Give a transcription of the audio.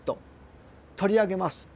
取り上げます。